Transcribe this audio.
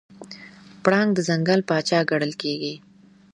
پړانګ د ځنګل پاچا ګڼل کېږي.